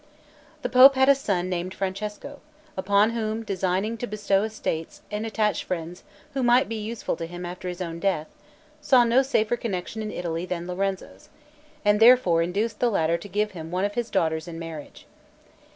The pope had a son named Francesco, upon whom designing to bestow states and attach friends who might be useful to him after his own death, saw no safer connection in Italy than Lorenzo's, and therefore induced the latter to give him one of his daughters in marriage.